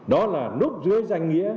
đó là núp dưới danh nghĩa